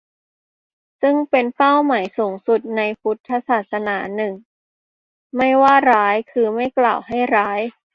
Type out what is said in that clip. ซึ่งเป็นเป้าหมายสูงสุดในพระพุทธศาสนา หนึ่ง ไม่ว่าร้าย คือ ไม่กล่าวให้ร้าย